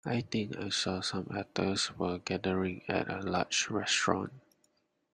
I think I saw some actors were gathering at a large restaurant.